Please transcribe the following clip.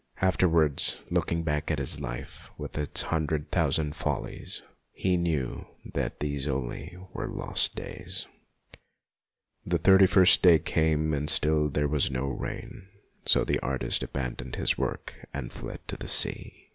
Afterwards, looking back at his life with its hundred thousand follies, he knew that these only were lost days. The thirty first day came and still there was no rain, so the artist abandoned his work and fled to the sea.